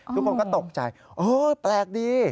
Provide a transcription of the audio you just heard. ทุกคนก็ตกใจโอ้ยแปลกดี